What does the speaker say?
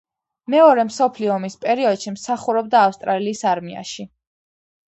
მეორე მსოფლიო ომის პერიოდში მსახურობდა ავსტრალიის არმიაში.